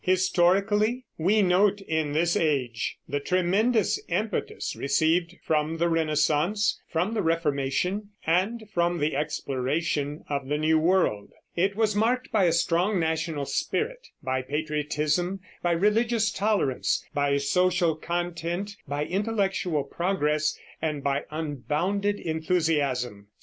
Historically, we note in this age the tremendous impetus received from the Renaissance, from the Reformation, and from the exploration of the New World. It was marked by a strong national spirit, by patriotism, by religious tolerance, by social content, by intellectual progress, and by unbounded enthusiasm.